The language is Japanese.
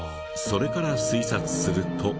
それから推察すると。